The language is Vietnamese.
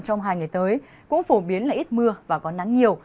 trong hai ngày tới cũng phổ biến là ít mưa và có nắng nhiều